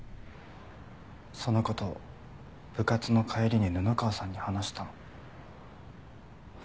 その事を部活の帰りに布川さんに話したの。